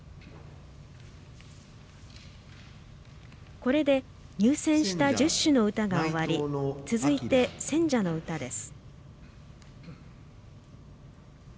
これで入選した１０首の歌が終わり続いて選者の歌です。